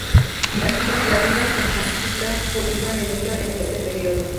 La vida monástica fue muy activa en este período.